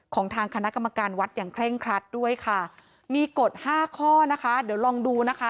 ของทางคณะกรรมการวัดอย่างเคร่งครัดด้วยค่ะมีกฎห้าข้อนะคะเดี๋ยวลองดูนะคะ